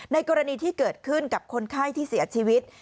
กรณีที่เกิดขึ้นกับคนไข้ที่เสียชีวิต